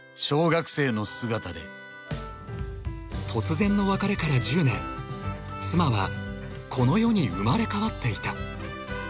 小学生の姿で突然の別れから１０年妻はこの世に生まれ変わっていた